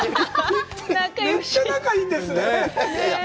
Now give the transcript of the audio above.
めっちゃ仲いいんですね。